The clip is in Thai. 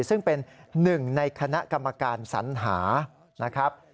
ซึ่งเป็นหนึ่งในคณะกรรมการสัญหานะครับ